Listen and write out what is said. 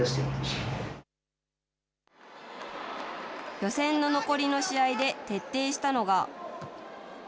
予選の残りの試合で徹底したのが。